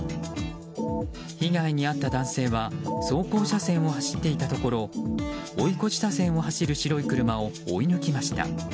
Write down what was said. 被害に遭った男性は走行車線を走っていたところ追い越し車線を走る白い車を追い抜きました。